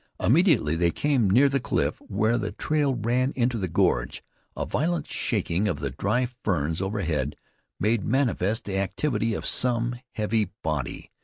Immediately they came near the cliff, where the trail ran into the gorge, a violent shaking of the dry ferns overhead made manifest the activity of some heavy body.